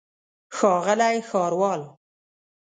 ښاغلی ښاروال.